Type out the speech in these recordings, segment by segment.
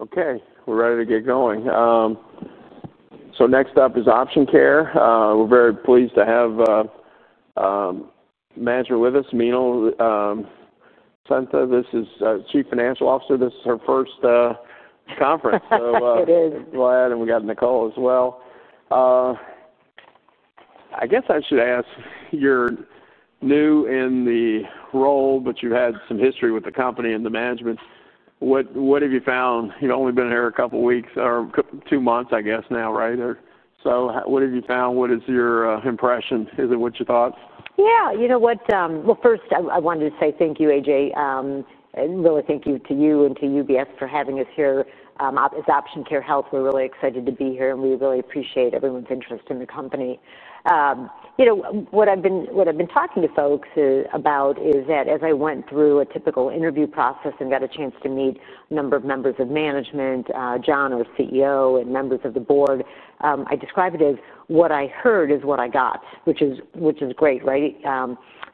Okay. We're ready to get going. Next up is Option Care Health. We're very pleased to have, Manager with us, Meenal Sethna. This is Chief Financial Officer. This is her 1st conference, so, Yes, it is. I'm glad. We got Nicole as well. I guess I should ask, you're new in the role, but you've had some history with the company and the management. What have you found? You've only been here a couple weeks or two months, I guess, now, right? Or so, what have you found? What is your impression? Is it what you thought? Yeah. You know what, first, I wanted to say thank you, AJ, and really thank you to you and to UBS for having us here. As Option Care Health, we're really excited to be here, and we really appreciate everyone's interest in the company. You know, what I've been talking to folks about is that as I went through a typical interview process and got a chance to meet a number of members of management, John, our CEO, and members of the board, I describe it as what I heard is what I got, which is great, right?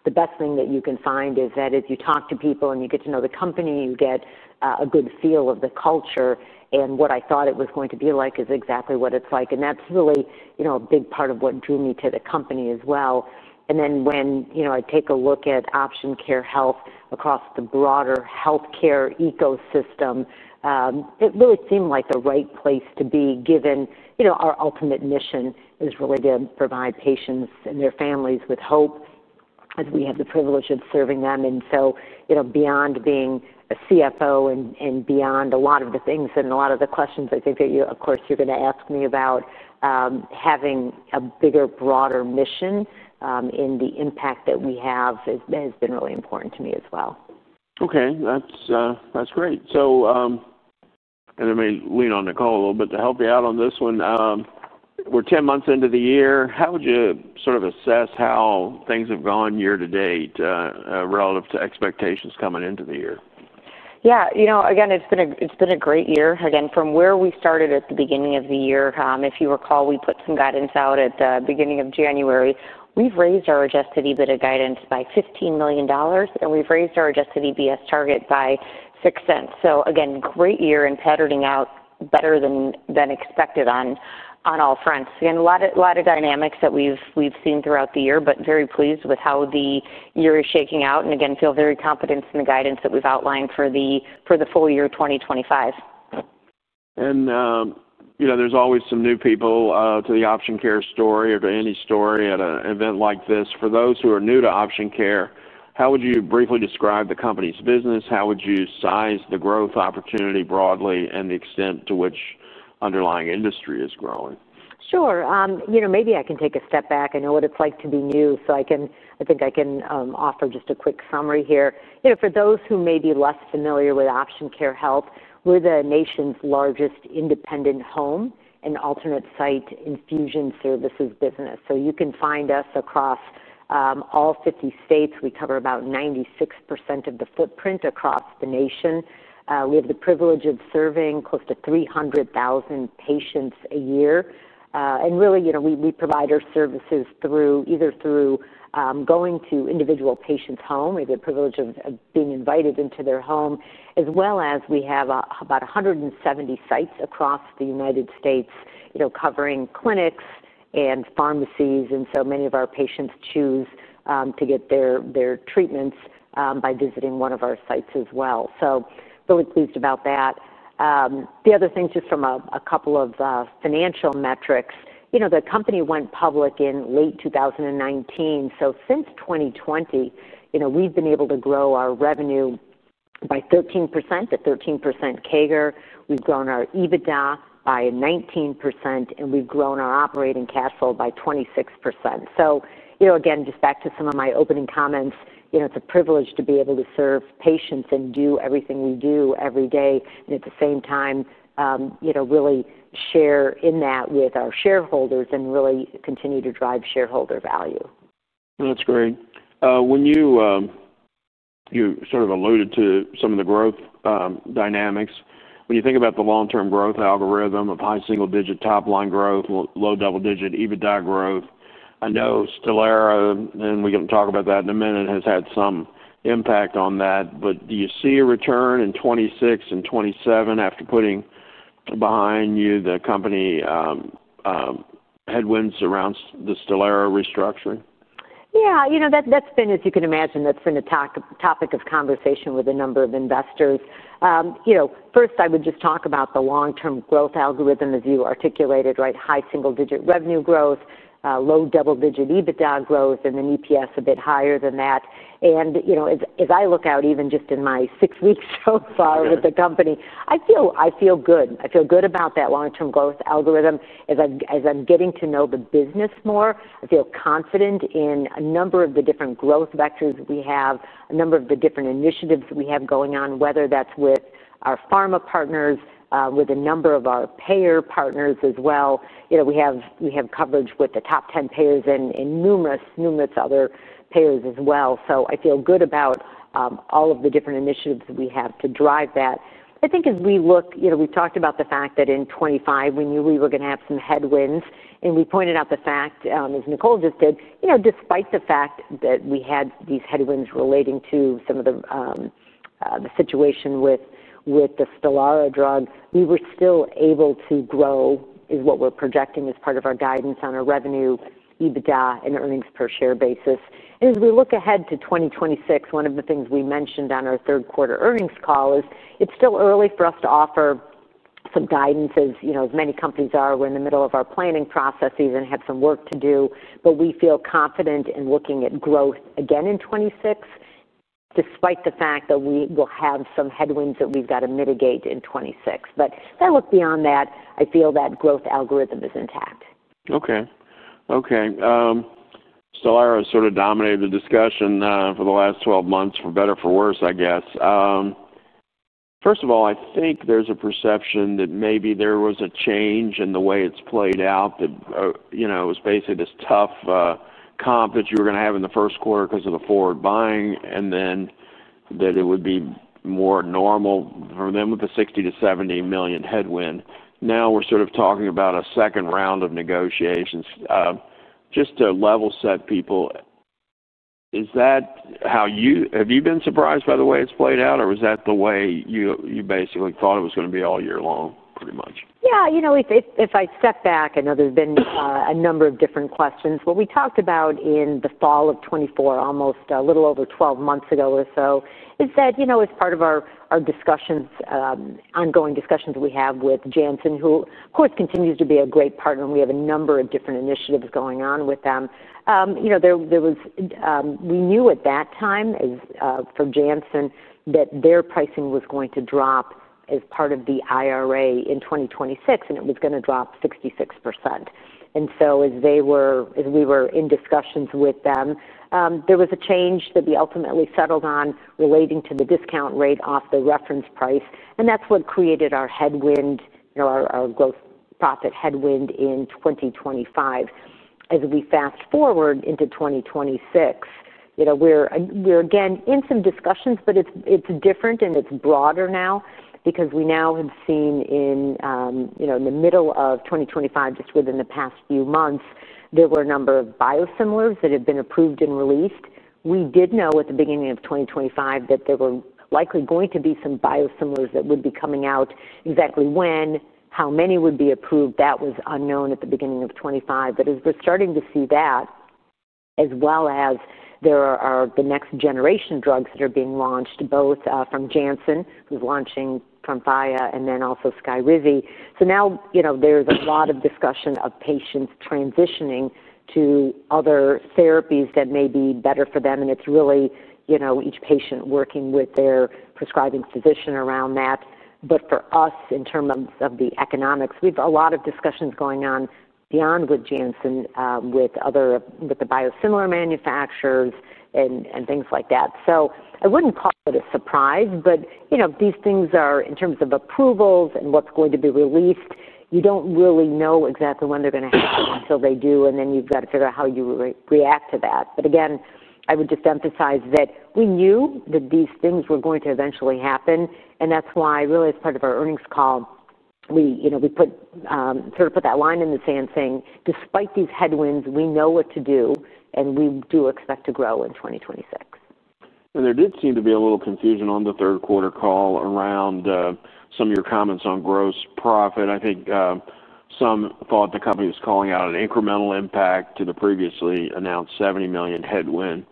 The best thing that you can find is that as you talk to people and you get to know the company, you get a good feel of the culture. What I thought it was going to be like is exactly what it's like. That's really, you know, a big part of what drew me to the company as well. When I take a look at Option Care Health across the broader healthcare ecosystem, it really seemed like the right place to be given, you know, our ultimate mission is really to provide patients and their families with hope as we have the privilege of serving them. Beyond being a CFO and beyond a lot of the things and a lot of the questions I think that you, of course, you're gonna ask me about, having a bigger, broader mission, in the impact that we have, has been really important to me as well. Okay. That's great. I may lean on Nicole a little bit to help you out on this one. We're 10 months into the year. How would you sort of assess how things have gone year to date, relative to expectations coming into the year? Yeah. You know, again, it's been a great year. Again, from where we started at the beginning of the year, if you recall, we put some guidance out at the beginning of January. We've raised our adjusted EBITDA guidance by $15 million, and we've raised our adjusted EPS target by $0.06. Great year in patterning out better than expected on all fronts. Again, a lot of dynamics that we've seen throughout the year, but very pleased with how the year is shaking out. Again, feel very confident in the guidance that we've outlined for the full year 2025. You know, there's always some new people to the Option Care story or to any story at an event like this. For those who are new to Option Care, how would you briefly describe the company's business? How would you size the growth opportunity broadly and the extent to which the underlying industry is growing? Sure. You know, maybe I can take a step back. I know what it's like to be new, so I think I can offer just a quick summary here. You know, for those who may be less familiar with Option Care Health, we're the nation's largest independent home and alternate site infusion services business. You can find us across all 50 states. We cover about 96% of the footprint across the nation. We have the privilege of serving close to 300,000 patients a year. Really, you know, we provide our services either through going to individual patients' homes. We have the privilege of being invited into their home, as well as we have about 170 sites across the United States, covering clinics and pharmacies. Many of our patients choose to get their treatments by visiting one of our sites as well. Really pleased about that. The other thing, just from a couple of financial metrics, you know, the company went public in late 2019. Since 2020, we've been able to grow our revenue by 13%. The 13% CAGR. We've grown our EBITDA by 19%, and we've grown our operating cash flow by 26%. Again, just back to some of my opening comments, you know, it's a privilege to be able to serve patients and do everything we do every day. At the same time, you know, really share in that with our shareholders and really continue to drive shareholder value. That's great. When you, you sort of alluded to some of the growth dynamics. When you think about the long-term growth algorithm of high single-digit top-line growth, low double-digit EBITDA growth, I know STELARA, and we can talk about that in a minute, has had some impact on that. Do you see a return in 2026 and 2027 after putting behind you the company headwinds around the STELARA restructuring? Yeah. You know, that's been, as you can imagine, that's been a topic of conversation with a number of investors. You know, first, I would just talk about the long-term growth algorithm, as you articulated, right? High single-digit revenue growth, low double-digit EBITDA growth, and then EPS a bit higher than that. You know, as I look out, even just in my six weeks so far with the company, I feel good. I feel good about that long-term growth algorithm. As I'm getting to know the business more, I feel confident in a number of the different growth vectors we have, a number of the different initiatives we have going on, whether that's with our pharma partners, with a number of our payer partners as well. You know, we have coverage with the top 10 payers and numerous, numerous other payers as well. I feel good about all of the different initiatives that we have to drive that. I think as we look, you know, we have talked about the fact that in 2025, we knew we were going to have some headwinds. We pointed out the fact, as Nicole just did, you know, despite the fact that we had these headwinds relating to some of the situation with the STELARA drug, we were still able to grow, is what we are projecting as part of our guidance on our revenue, EBITDA, and earnings per share basis. As we look ahead to 2026, one of the things we mentioned on our third-quarter earnings call is it is still early for us to offer some guidance as, you know, as many companies are. We're in the middle of our planning processes and have some work to do, but we feel confident in looking at growth again in 2026, despite the fact that we will have some headwinds that we've got to mitigate in 2026. If I look beyond that, I feel that growth algorithm is intact. Okay. Okay. STELARA has sort of dominated the discussion for the last 12 months, for better or for worse, I guess. First of all, I think there is a perception that maybe there was a change in the way it has played out, that, you know, it was basically this tough comp that you were gonna have in the first quarter because of the forward buying, and then that it would be more normal for them with a $60-70 million headwind. Now we are sort of talking about a second round of negotiations, just to level set people. Is that how you have been surprised by the way it has played out, or was that the way you basically thought it was gonna be all year long, pretty much? Yeah. You know, if I step back, I know there's been a number of different questions. What we talked about in the fall of 2024, almost a little over 12 months ago or so, is that, you know, as part of our ongoing discussions we have with Janssen, who, of course, continues to be a great partner. We have a number of different initiatives going on with them. You know, we knew at that time, from Janssen, that their pricing was going to drop as part of the IRA in 2026, and it was gonna drop 66%. As we were in discussions with them, there was a change that we ultimately settled on relating to the discount rate off the reference price. That's what created our headwind, our gross profit headwind in 2025. As we fast forward into 2026, you know, we're again in some discussions, but it's different and it's broader now because we now have seen in, you know, in the middle of 2025, just within the past few months, there were a number of biosimilars that had been approved and released. We did know at the beginning of 2025 that there were likely going to be some biosimilars that would be coming out. Exactly when, how many would be approved, that was unknown at the beginning of 2025. As we're starting to see that, as well as there are the next generation drugs that are being launched, both from Janssen, who's launching TREMFYA, and then also SKYRIZI. Now, you know, there's a lot of discussion of patients transitioning to other therapies that may be better for them. It's really, you know, each patient working with their prescribing physician around that. For us, in terms of the economics, we've a lot of discussions going on beyond with Janssen, with other, with the biosimilar manufacturers and things like that. I wouldn't call it a surprise, but, you know, these things are, in terms of approvals and what's going to be released, you don't really know exactly when they're gonna happen until they do. You've got to figure out how you re-react to that. I would just emphasize that we knew that these things were going to eventually happen. That's why, really, as part of our earnings call, we, you know, we put, sort of put that line in the sand saying, "Despite these headwinds, we know what to do, and we do expect to grow in 2026. There did seem to be a little confusion on the third-quarter call around some of your comments on gross profit. I think some thought the company was calling out an incremental impact to the previously announced $70 million headwind,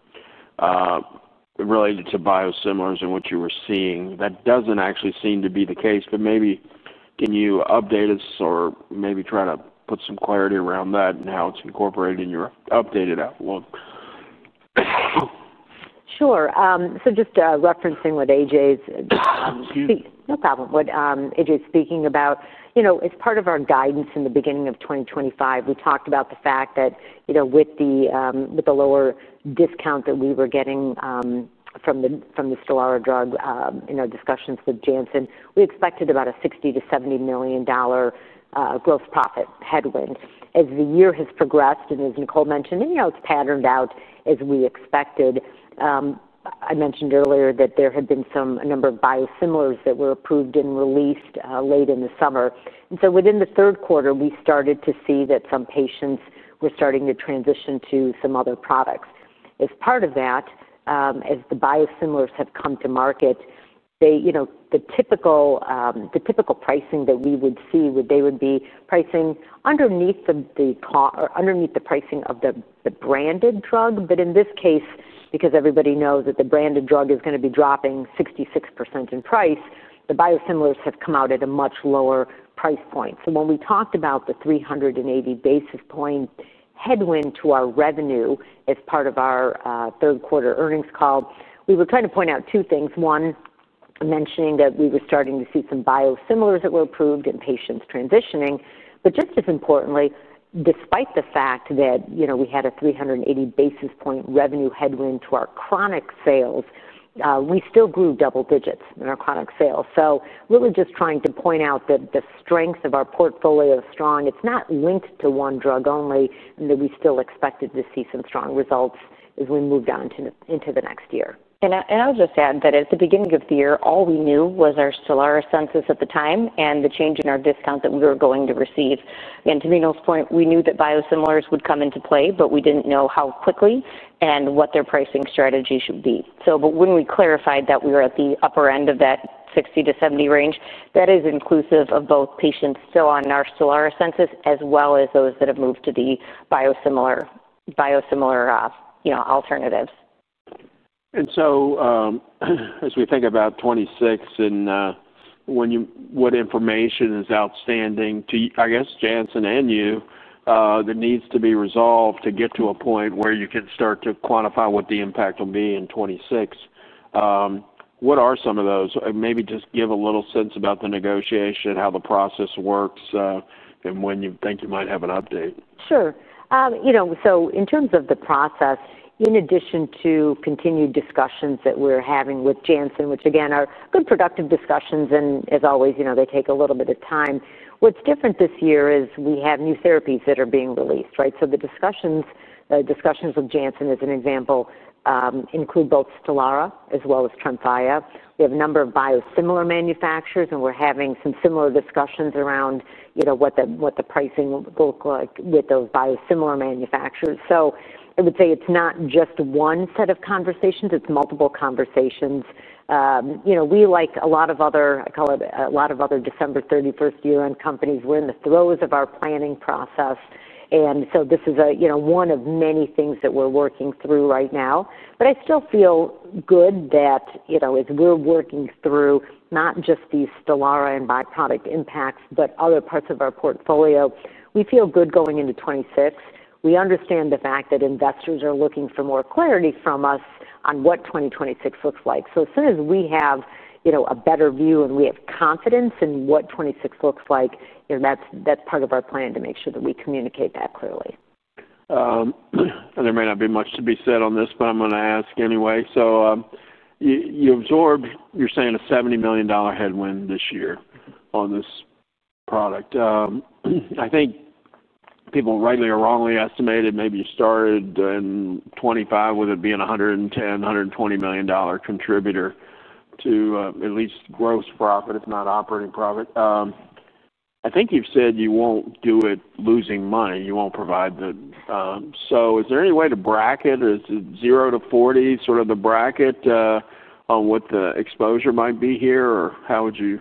related to biosimilars and what you were seeing. That does not actually seem to be the case, but maybe can you update us or maybe try to put some clarity around that and how it is incorporated in your updated outlook? Sure. So just, referencing what AJ's... Excuse me. No problem. What AJ's speaking about, you know, as part of our guidance in the beginning of 2025, we talked about the fact that, you know, with the lower discount that we were getting from the STELARA drug, in our discussions with Janssen, we expected about a $60 million-$70 million gross profit headwind. As the year has progressed and as Nicole mentioned, you know, it's patterned out as we expected, I mentioned earlier that there had been a number of biosimilars that were approved and released late in the summer. Within the 3rd quarter, we started to see that some patients were starting to transition to some other products. As part of that, as the biosimilars have come to market, they, you know, the typical pricing that we would see would be pricing underneath the, the co or underneath the pricing of the, the branded drug. In this case, because everybody knows that the branded drug is gonna be dropping 66% in price, the biosimilars have come out at a much lower price point. When we talked about the 380 basis point headwind to our revenue as part of our third-quarter earnings call, we were trying to point out two things. One, mentioning that we were starting to see some biosimilars that were approved and patients transitioning. Just as importantly, despite the fact that, you know, we had a 380 basis point revenue headwind to our Chronic Sales, we still grew double digits in our Chronic Sales. Really just trying to point out that the strength of our portfolio is strong. It's not linked to one drug only, and that we still expected to see some strong results as we moved on into the next year. I'll just add that at the beginning of the year, all we knew was our STELARA census at the time and the change in our discount that we were going to receive. To Aminah's point, we knew that biosimilars would come into play, but we didn't know how quickly and what their pricing strategy should be. When we clarified that we were at the upper end of that $60 million-$70 million range, that is inclusive of both patients still on our STELARA census as well as those that have moved to the biosimilar alternatives. As we think about 2026 and, when you what information is outstanding to, I guess, Janssen and you, that needs to be resolved to get to a point where you can start to quantify what the impact will be in 2026, what are some of those? Maybe just give a little sense about the negotiation, how the process works, and when you think you might have an update. Sure. You know, so in terms of the process, in addition to continued discussions that we're having with Janssen, which, again, are good productive discussions, and as always, you know, they take a little bit of time, what's different this year is we have new therapies that are being released, right? The discussions with Janssen, as an example, include both STELARA as well as TREMFYA. We have a number of biosimilar manufacturers, and we're having some similar discussions around, you know, what the pricing will look like with those biosimilar manufacturers. I would say it's not just one set of conversations. It's multiple conversations. You know, we, like a lot of other, I call it a lot of other December 31st year-end companies, we're in the throes of our planning process. This is one of many things that we're working through right now. I still feel good that, you know, as we're working through not just these STELARA and byproduct impacts, but other parts of our portfolio, we feel good going into 2026. We understand the fact that investors are looking for more clarity from us on what 2026 looks like. As soon as we have a better view and we have confidence in what 2026 looks like, that's part of our plan to make sure that we communicate that clearly. There may not be much to be said on this, but I'm gonna ask anyway. You absorbed, you're saying, a $70 million headwind this year on this product. I think people, rightly or wrongly, estimated maybe you started in 2025 with it being a $110 million-$120 million contributor to at least gross profit, if not operating profit. I think you've said you won't do it losing money. You won't provide the—so is there any way to bracket? Is it $0-$40 million, sort of the bracket, on what the exposure might be here, or how would you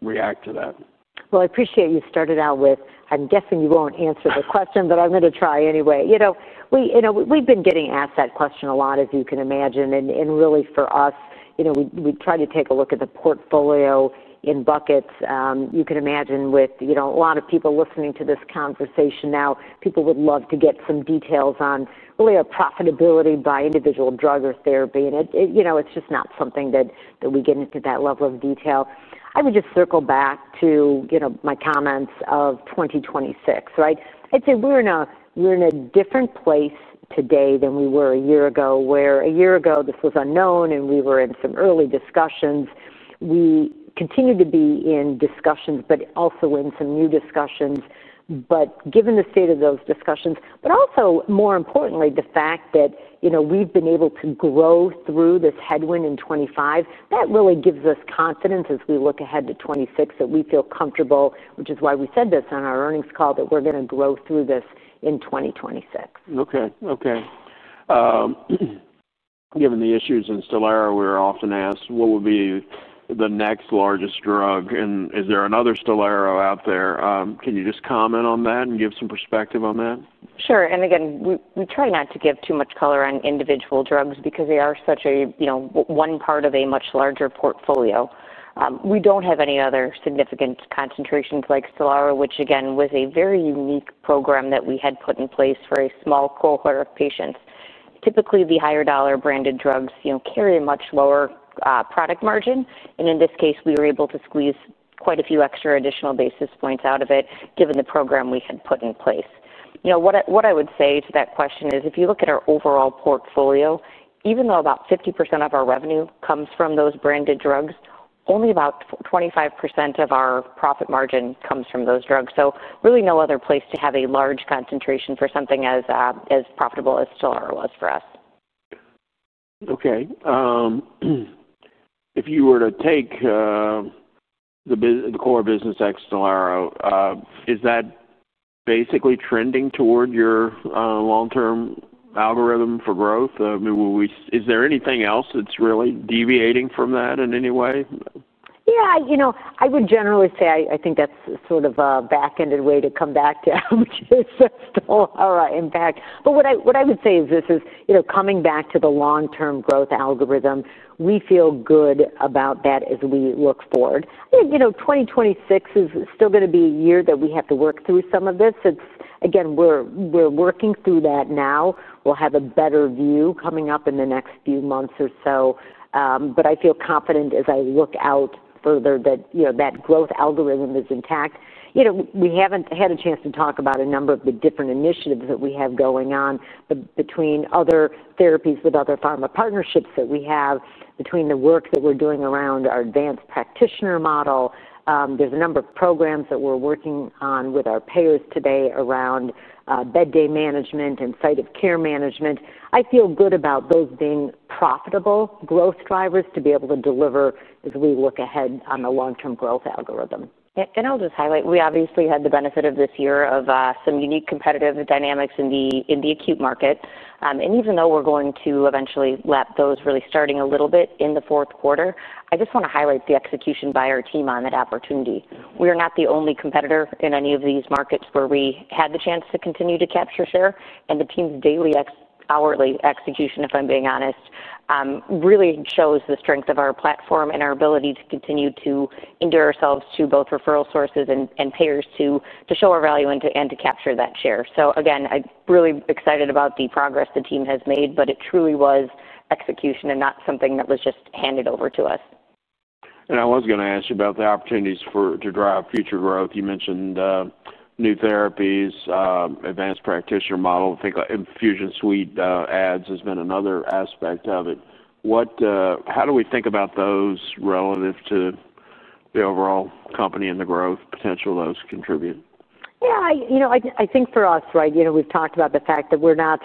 react to that? I appreciate you started out with, "I'm guessing you won't answer the question, but I'm gonna try anyway." You know, we, you know, we've been getting asked that question a lot, as you can imagine. And really, for us, you know, we try to take a look at the portfolio in buckets. You can imagine with, you know, a lot of people listening to this conversation now, people would love to get some details on really our profitability by individual drug or therapy. And it, it, you know, it's just not something that we get into that level of detail. I would just circle back to, you know, my comments of 2026, right? I'd say we're in a different place today than we were a year ago, where a year ago this was unknown, and we were in some early discussions. We continue to be in discussions, but also in some new discussions. But given the state of those discussions, but also, more importantly, the fact that, you know, we've been able to grow through this headwind in 2025, that really gives us confidence as we look ahead to 2026 that we feel comfortable, which is why we said this on our earnings call, that we're gonna grow through this in 2026. Okay. Okay. Given the issues in STELARA, we're often asked, "What will be the next largest drug?" And is there another STELARA out there? Can you just comment on that and give some perspective on that? Sure. Again, we try not to give too much color on individual drugs because they are such a, you know, one part of a much larger portfolio. We do not have any other significant concentrations like STELARA, which, again, was a very unique program that we had put in place for a small cohort of patients. Typically, the higher dollar branded drugs, you know, carry a much lower product margin. In this case, we were able to squeeze quite a few extra additional basis points out of it, given the program we had put in place. You know, what I would say to that question is, if you look at our overall portfolio, even though about 50% of our revenue comes from those branded drugs, only about 25% of our profit margin comes from those drugs. So really no other place to have a large concentration for something as, as profitable as STELARA was for us. Okay. If you were to take the core business ex-STELARA, is that basically trending toward your long-term algorithm for growth? Is there anything else that's really deviating from that in any way? Yeah. You know, I would generally say I think that's sort of a back-ended way to come back to how much is STELARA impact. What I would say is this is, you know, coming back to the long-term growth algorithm, we feel good about that as we look forward. You know, 2026 is still gonna be a year that we have to work through some of this. It's, again, we're working through that now. We'll have a better view coming up in the next few months or so. I feel confident as I look out further that, you know, that growth algorithm is intact. You know, we haven't had a chance to talk about a number of the different initiatives that we have going on, but between other therapies with other Pharma Partnerships that we have, between the work that we're doing around our Advanced Practitioner Model, there's a number of programs that we're working on with our payers today around Bed Day Management and site of Care Management. I feel good about those being profitable growth drivers to be able to deliver as we look ahead on the long-term growth algorithm. I'll just highlight, we obviously had the benefit this year of some unique competitive dynamics in the Acute Market. Even though we're going to eventually lap those, really starting a little bit in the 4th quarter, I just want to highlight the execution by our team on that opportunity. We are not the only competitor in any of these markets where we had the chance to continue to capture share. The team's daily, hourly execution, if I'm being honest, really shows the strength of our platform and our ability to continue to endear ourselves to both referral sources and payers to show our value and to capture that share. Again, I'm really excited about the progress the team has made, but it truly was execution and not something that was just handed over to us. I was gonna ask you about the opportunities to drive future growth. You mentioned new therapies, Advanced Practitioner Model. I think Infusion Suite Ads has been another aspect of it. What, how do we think about those relative to the overall company and the growth potential those contribute? Yeah. You know, I think for us, right, you know, we've talked about the fact that we're not,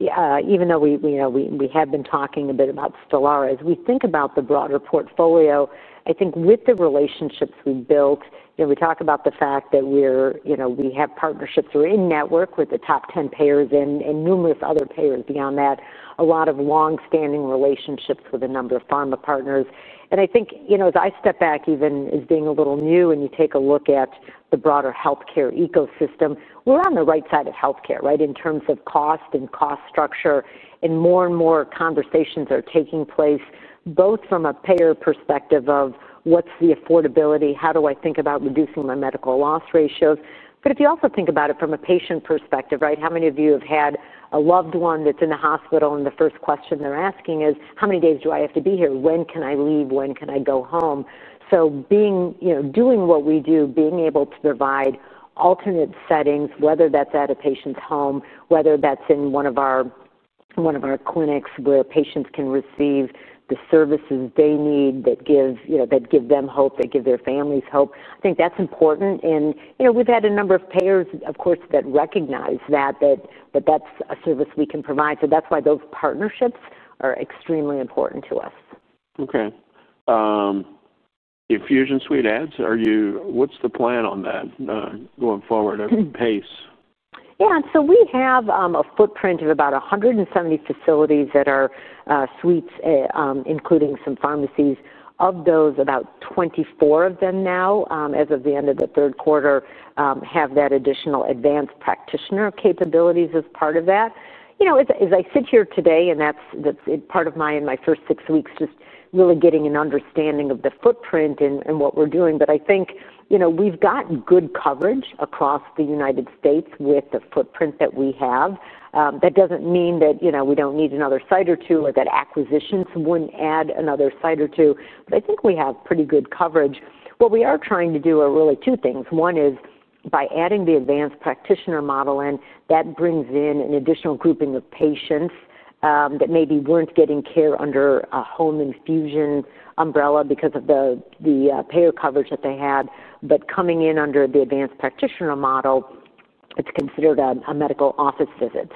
even though we, you know, we have been talking a bit about STELARA, as we think about the broader portfolio, I think with the relationships we've built, you know, we talk about the fact that we're, you know, we have partnerships that are in network with the top 10 payers and numerous other payers beyond that, a lot of long-standing relationships with a number of pharma partners. I think, you know, as I step back, even as being a little new, and you take a look at the broader healthcare ecosystem, we're on the right side of healthcare, right, in terms of cost and cost structure. More and more conversations are taking place both from a payer perspective of what's the affordability, how do I think about reducing my medical loss ratios. If you also think about it from a patient perspective, right, how many of you have had a loved one that's in the hospital and the first question they're asking is, "How many days do I have to be here? When can I leave? When can I go home?" Being, you know, doing what we do, being able to provide alternate settings, whether that's at a patient's home, whether that's in one of our clinics where patients can receive the services they need that give, you know, that give them hope, that give their families hope, I think that's important. You know, we've had a number of payers, of course, that recognize that that's a service we can provide. That is why those partnerships are extremely important to us. Okay. Infusion Suite ads, are you, what's the plan on that, going forward at pace? Yeah. So we have a footprint of about 170 facilities that are suites, including some pharmacies. Of those, about 24 of them now, as of the end of the 3rd quarter, have that additional advanced practitioner capabilities as part of that. You know, as I sit here today, and that's part of my 1st six weeks, just really getting an understanding of the footprint and what we're doing. I think, you know, we've got good coverage across the United States with the footprint that we have. That doesn't mean that, you know, we don't need another site or two or that acquisitions wouldn't add another site or two. I think we have pretty good coverage. What we are trying to do are really two things. One is by adding the Advanced Practitioner Model in, that brings in an additional grouping of patients that maybe weren't getting care under a Home Infusion Umbrella because of the payer coverage that they had. Coming in under the Advanced Practitioner Model, it's considered a medical office visit.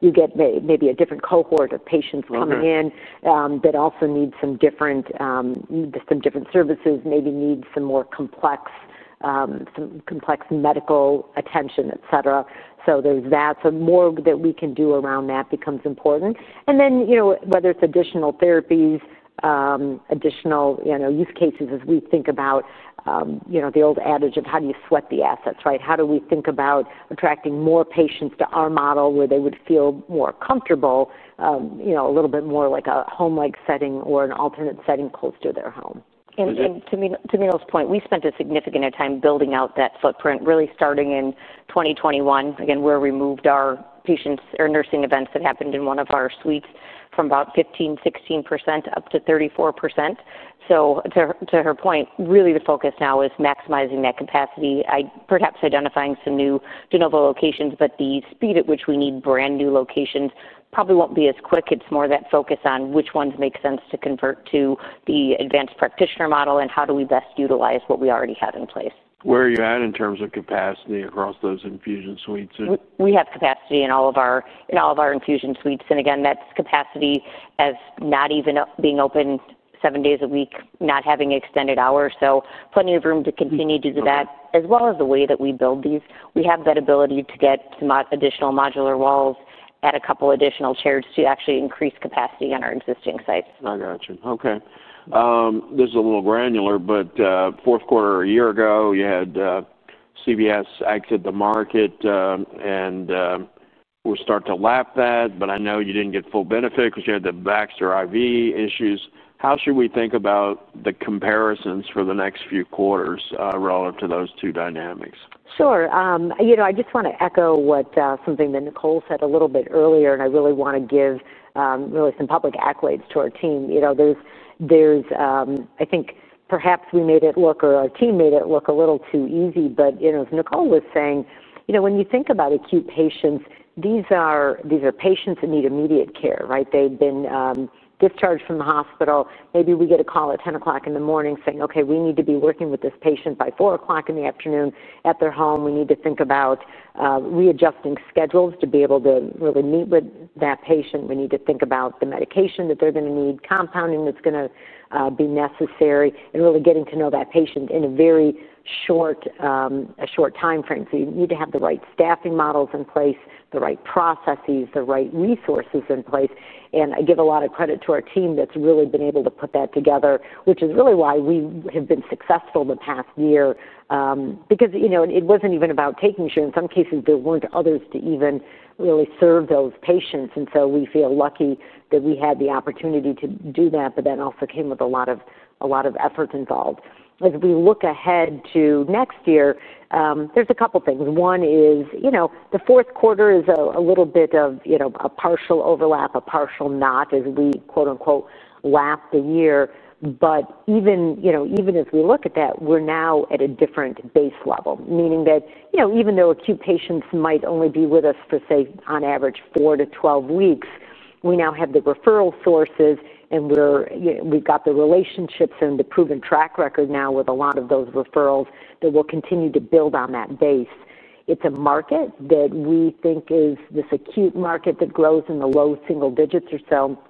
You get maybe a different cohort of patients coming in that also need some different services, maybe need some more complex, some complex medical attention, etc. There's that. More that we can do around that becomes important. You know, whether it's additional therapies, additional use cases as we think about, you know, the old adage of how do you sweat the assets, right? How do we think about attracting more patients to our model where they would feel more comfortable, you know, a little bit more like a home-like setting or an alternate setting close to their home? And to Meenal's point, we spent a significant amount of time building out that footprint, really starting in 2021. Again, where we moved our patients or nursing events that happened in one of our suites from about 15-16% up to 34%. To her point, really the focus now is maximizing that capacity, perhaps identifying some new De Novo locations, but the speed at which we need brand new locations probably won't be as quick. It's more that focus on which ones make sense to convert to the Advanced Practitioner Model and how do we best utilize what we already have in place. Where are you at in terms of capacity across those infusion suites? We have capacity in all of our infusion suites. Again, that's capacity as not even being open seven days a week, not having extended hours. Plenty of room to continue to do that, as well as the way that we build these. We have that ability to get some additional modular walls and a couple additional chairs to actually increase capacity on our existing sites. I gotcha. Okay. This is a little granular, but, 4th quarter a year ago, you had, CVS exit the market, and, we're starting to lap that. I know you didn't get full benefit 'cause you had the Baxter IV issues. How should we think about the comparisons for the next few quarters, relative to those two dynamics? Sure. You know, I just wanna echo what, something that Nicole said a little bit earlier, and I really wanna give, really some public accolades to our team. You know, I think perhaps we made it look or our team made it look a little too easy. You know, as Nicole was saying, when you think about acute patients, these are patients that need immediate care, right? They've been discharged from the hospital. Maybe we get a call at 10:00 A.M. saying, "Okay, we need to be working with this patient by 4:00 P.M. at their home. We need to think about readjusting schedules to be able to really meet with that patient. We need to think about the medication that they're gonna need, compounding that's gonna be necessary, and really getting to know that patient in a very short, a short time frame. You need to have the right staffing models in place, the right processes, the right resources in place. I give a lot of credit to our team that's really been able to put that together, which is really why we have been successful the past year, because, you know, it wasn't even about taking share. In some cases, there weren't others to even really serve those patients. We feel lucky that we had the opportunity to do that, but that also came with a lot of effort involved. As we look ahead to next year, there's a couple things. One is, you know, the 4th quarter is a little bit of, you know, a partial overlap, a partial not as we "lap the year." But even, you know, even as we look at that, we're now at a different base level, meaning that, you know, even though acute patients might only be with us for, say, on average, 4-12 weeks, we now have the referral sources, and we're, you know, we've got the relationships and the proven track record now with a lot of those referrals that we'll continue to build on that base. It's a market that we think is this Acute Market that grows in the low single digits or so.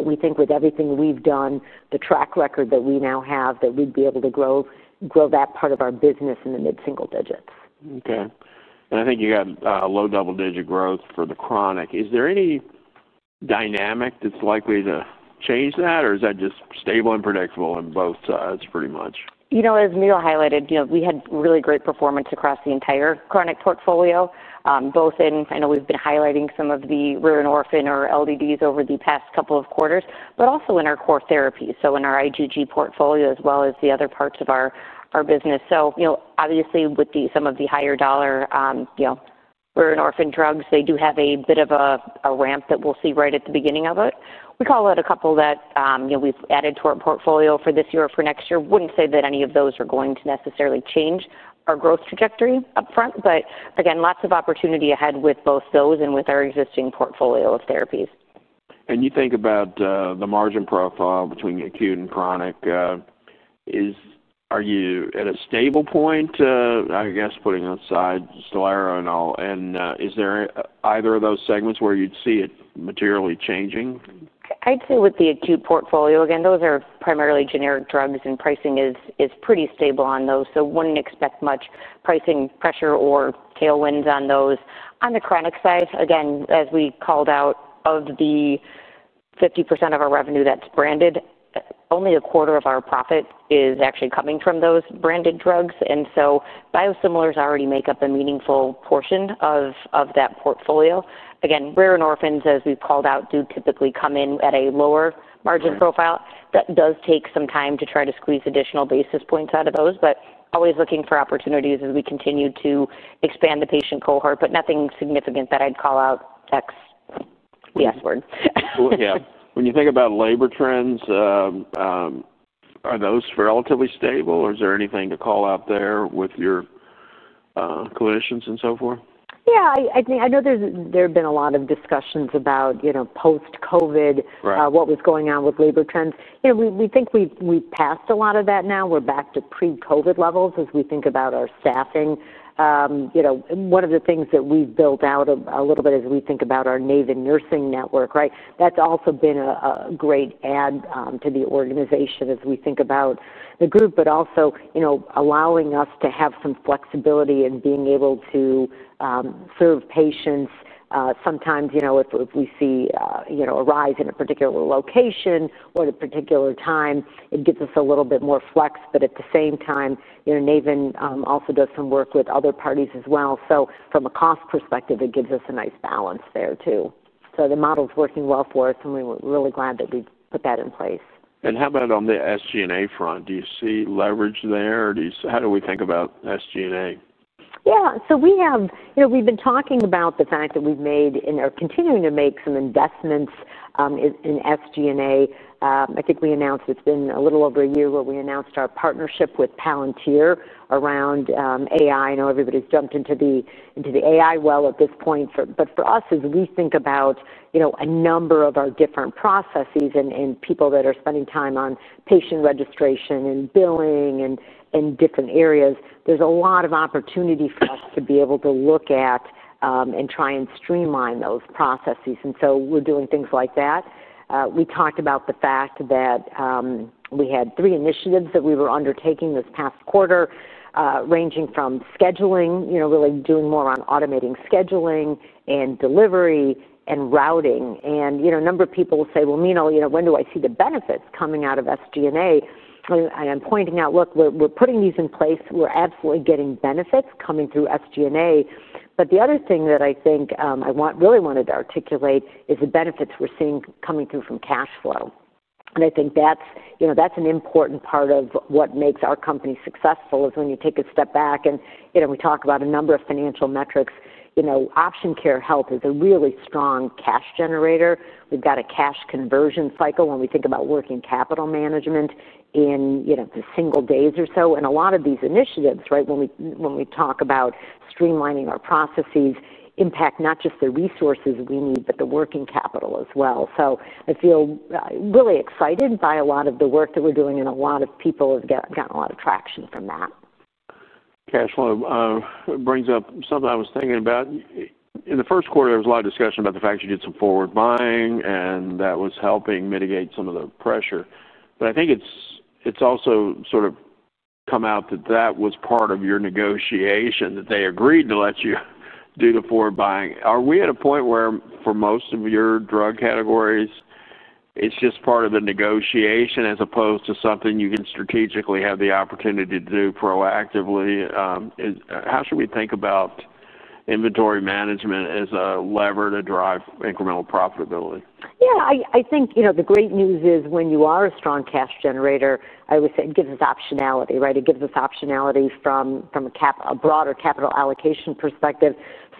We think with everything we've done, the track record that we now have, that we'd be able to grow, grow that part of our business in the mid-single digits. Okay. I think you got low double-digit growth for the chronic. Is there any dynamic that's likely to change that, or is that just stable and predictable on both sides pretty much? You know, as Meenal highlighted, you know, we had really great performance across the entire chronic portfolio, both in, I know we've been highlighting some of the rare and orphan or LDDs over the past couple of quarters, but also in our core therapy, so in our IVIG portfolio as well as the other parts of our business. You know, obviously with some of the higher dollar, you know, Rare and Orphan Drugs, they do have a bit of a ramp that we'll see right at the beginning of it. We call out a couple that, you know, we've added to our portfolio for this year or for next year. Wouldn't say that any of those are going to necessarily change our growth trajectory upfront. Again, lots of opportunity ahead with both those and with our existing portfolio of therapies. You think about the margin profile between acute and chronic, is, are you at a stable point, I guess, putting aside STELARA and all, and is there either of those segments where you'd see it materially changing? I'd say with the acute portfolio, again, those are primarily generic drugs, and pricing is pretty stable on those. Would not expect much pricing pressure or tailwinds on those. On the chronic side, again, as we called out, of the 50% of our revenue that's branded, only a quarter of our profit is actually coming from those branded drugs. Biosimilars already make up a meaningful portion of that portfolio. Again, Rare and Orphans, as we've called out, do typically come in at a lower margin profile. That does take some time to try to squeeze additional basis points out of those, but always looking for opportunities as we continue to expand the patient cohort. Nothing significant that I'd call out ex the S word. Yeah. When you think about labor trends, are those relatively stable, or is there anything to call out there with your clinicians and so forth? Yeah. I think I know there have been a lot of discussions about, you know, post-COVID. Right. What was going on with labor trends. You know, we think we've passed a lot of that now. We're back to pre-COVID levels as we think about our staffing. You know, one of the things that we've built out a little bit as we think about our NAVEN Nursing Network, right, that's also been a great add to the organization as we think about the group, but also, you know, allowing us to have some flexibility in being able to serve patients. Sometimes, you know, if we see a rise in a particular location or at a particular time, it gives us a little bit more flex. At the same time, you know, NAVEN also does some work with other parties as well. From a cost perspective, it gives us a nice balance there too. The model's working well for us, and we're really glad that we've put that in place. How about on the SG&A front? Do you see leverage there, or how do we think about SG&A? Yeah. So we have, you know, we've been talking about the fact that we've made and are continuing to make some investments in SG&A. I think we announced it's been a little over a year where we announced our partnership with Palantir around AI. I know everybody's jumped into the AI well at this point. For us, as we think about, you know, a number of our different processes and people that are spending time on patient registration and billing and different areas, there's a lot of opportunity for us to be able to look at and try and streamline those processes. We are doing things like that. We talked about the fact that we had three initiatives that we were undertaking this past quarter, ranging from scheduling, you know, really doing more on automating scheduling and delivery and routing. You know, a number of people will say, "Well, Meenal, you know, when do I see the benefits coming out of SG&A?" I'm pointing out, "Look, we're putting these in place. We're absolutely getting benefits coming through SG&A." The other thing that I think I really wanted to articulate is the benefits we're seeing coming through from cash flow. I think that's, you know, that's an important part of what makes our company successful is when you take a step back and, you know, we talk about a number of financial metrics. You know, Option Care Health is a really strong cash generator. We've got a cash conversion cycle when we think about working capital management in, you know, the single days or so. A lot of these initiatives, right, when we talk about streamlining our processes, impact not just the resources we need, but the working capital as well. I feel really excited by a lot of the work that we're doing, and a lot of people have gotten a lot of traction from that. Cash flow brings up something I was thinking about. In the 1st quarter, there was a lot of discussion about the fact you did some forward buying, and that was helping mitigate some of the pressure. I think it's also sort of come out that that was part of your negotiation, that they agreed to let you do the forward buying. Are we at a point where for most of your drug categories, it's just part of the negotiation as opposed to something you can strategically have the opportunity to do proactively? How should we think about inventory management as a lever to drive incremental profitability? Yeah. I think, you know, the great news is when you are a strong cash generator, I would say it gives us optionality, right? It gives us optionality from a broader capital allocation perspective,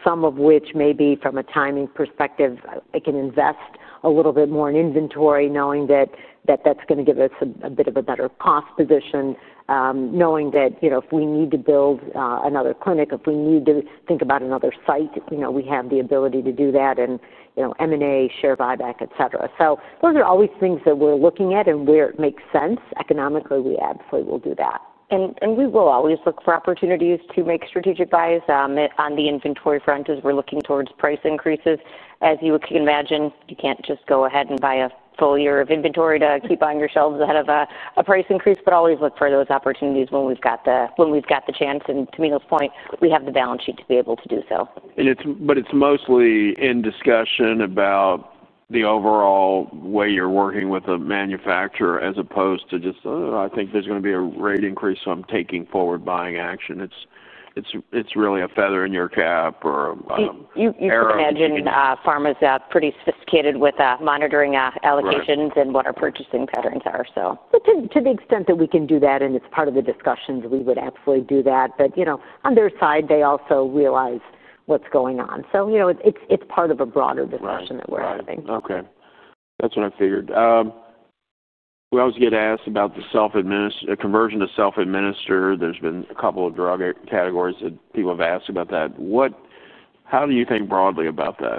some of which may be from a timing perspective. I can invest a little bit more in inventory knowing that that's gonna give us a bit of a better cost position, knowing that, you know, if we need to build another clinic, if we need to think about another site, you know, we have the ability to do that and, you know, M&A, share buyback, etc. Those are always things that we're looking at and where it makes sense. Economically, we absolutely will do that. We will always look for opportunities to make strategic buys on the inventory front as we're looking towards price increases. As you can imagine, you can't just go ahead and buy a full year of inventory to keep on your shelves ahead of a, a price increase, but always look for those opportunities when we've got the, when we've got the chance. And to Aminah's point, we have the balance sheet to be able to do so. It's mostly in discussion about the overall way you're working with a manufacturer as opposed to just, "Oh, I think there's gonna be a rate increase, so I'm taking forward buying action." It's really a feather in your cap or, You can imagine, pharma's pretty sophisticated with monitoring, allocations and what our purchasing patterns are, so. To the extent that we can do that, and it's part of the discussions, we would absolutely do that. You know, on their side, they also realize what's going on. You know, it's part of a broader discussion that we're having. Okay. That's what I figured. We always get asked about the self-admin conversion to self-administer. There's been a couple of drug categories that people have asked about that. What, how do you think broadly about that?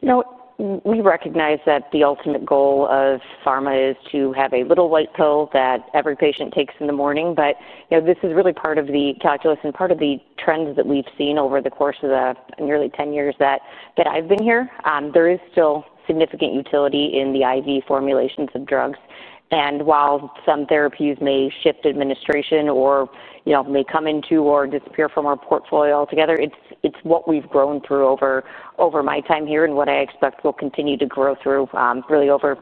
You know, we recognize that the ultimate goal of pharma is to have a little white pill that every patient takes in the morning. But, you know, this is really part of the calculus and part of the trends that we've seen over the course of the nearly 10 years that I've been here. There is still significant utility in the IV formulations of drugs. And while some therapies may shift administration or, you know, may come into or disappear from our portfolio altogether, it's what we've grown through over my time here and what I expect will continue to grow through, really over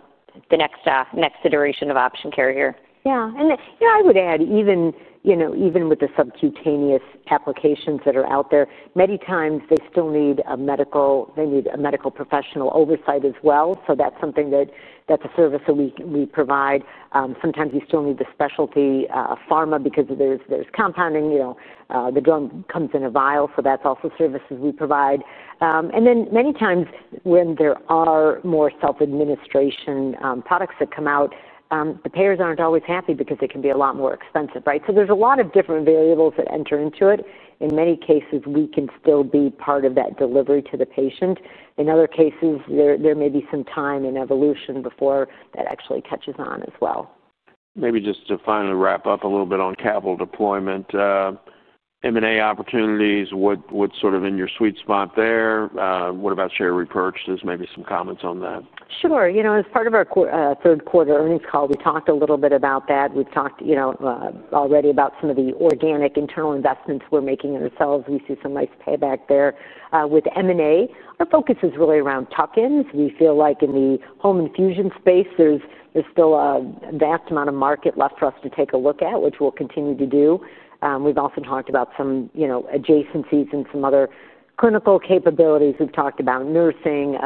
the next iteration of Option Care Health here. Yeah. And, you know, I would add even, you know, even with the subcutaneous applications that are out there, many times they still need a medical professional oversight as well. That's a service that we provide. Sometimes you still need the specialty pharma because there's compounding, you know, the drug comes in a vial. That's also services we provide. Then many times when there are more self-administration products that come out, the payers aren't always happy because it can be a lot more expensive, right? There are a lot of different variables that enter into it. In many cases, we can still be part of that delivery to the patient. In other cases, there may be some time and evolution before that actually catches on as well. Maybe just to finally wrap up a little bit on capital deployment, M&A opportunities, what, what's sort of in your sweet spot there? What about share repurchases? Maybe some comments on that. Sure. You know, as part of our 3rd quarter earnings call, we talked a little bit about that. We've talked, you know, already about some of the organic internal investments we're making in ourselves. We see some nice payback there. With M&A, our focus is really around tuck-ins. We feel like in the home infusion space, there's still a vast amount of market left for us to take a look at, which we'll continue to do. We've also talked about some, you know, adjacencies and some other clinical capabilities. We've talked about nursing,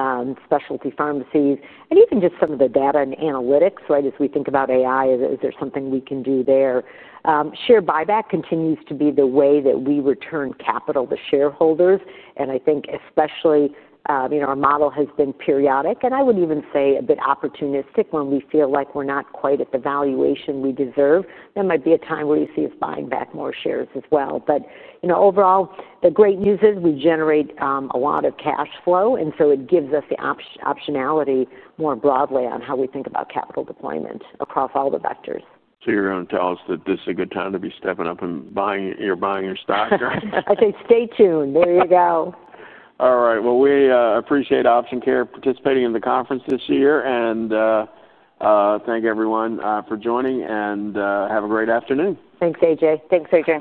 Specialty Pharmacies, and even just some of the data and analytics, right, as we think about AI, is there something we can do there. Share buyback continues to be the way that we return capital to shareholders. I think especially, you know, our model has been periodic, and I would even say a bit opportunistic when we feel like we're not quite at the valuation we deserve. That might be a time where you see us buying back more shares as well. You know, overall, the great news is we generate a lot of cash flow, and so it gives us the optionality more broadly on how we think about capital deployment across all the vectors. So your own tells that this is a good time to be stepping up and buying, you're buying your stock, right? I say stay tuned. There you go. All right. We appreciate Option Care Health participating in the conference this year, and thank everyone for joining, and have a great afternoon. Thanks, AJ.